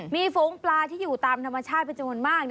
มีฝูงปลาที่อยู่ตามธรรมชาติเป็นจำนวนมาก